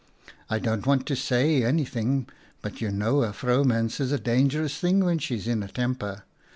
I don't want to say anything, but you know a vrouwmens is a dangerous thing when she is in a temper.